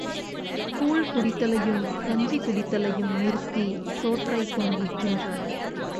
கூழ் குடித்தலையும் கஞ்சி குடித்தலையும் நிறுத்தி, சோற்றைப் பொங்கித்தின்றனர்.